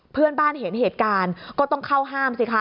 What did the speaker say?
เพื่อนบ้านเห็นเหตุการณ์ก็ต้องเข้าห้ามสิคะ